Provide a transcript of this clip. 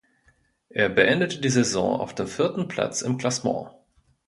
Er beendete die Saison auf dem vierten Platz im Klassement.